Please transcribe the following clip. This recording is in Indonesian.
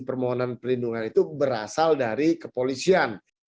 permohonan perlindungan itu berasal dari kepolisian